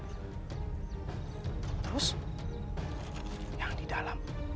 terus yang di dalam